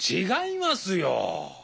違いますよ。